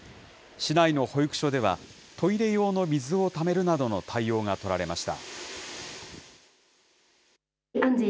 市内の保育所では、トイレ用の水をためるなどの対応が取られました。